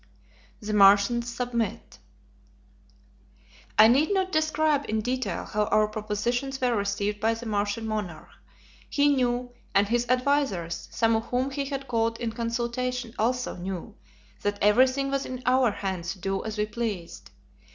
The Martians Submit. I need not describe in detail how our propositions were received by the Martian monarch. He knew, and his advisers, some of whom he had called in consultation, also knew, that everything was in our hands to do as we pleased.